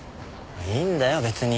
いいんだよ別に。